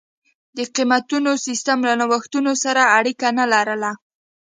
د قېمتونو سیستم له نوښتونو سره اړیکه نه لرله.